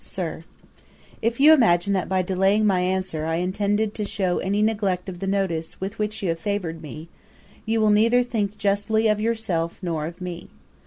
'SIR, 'If you imagine that by delaying my answer I intended to shew any neglect of the notice with which you have favoured me, you will neither think justly of yourself nor of me.